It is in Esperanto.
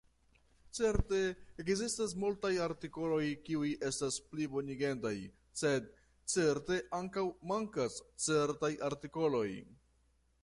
Certe ekzistas multaj artikoloj kiuj estas plibonigendaj, sed certe ankaŭ mankas certaj artikoloj.